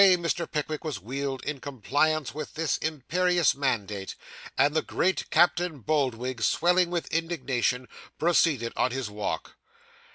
Away Mr. Pickwick was wheeled in compliance with this imperious mandate; and the great Captain Boldwig, swelling with indignation, proceeded on his walk.